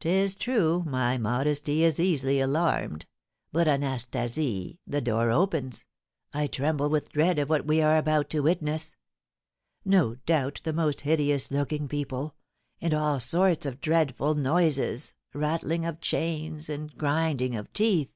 "'Tis true, my modesty is easily alarmed. But, Anastasie, the door opens, I tremble with dread of what we are about to witness; no doubt the most hideous looking people, and all sorts of dreadful noises, rattling of chains, and grinding of teeth."